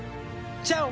チャオ！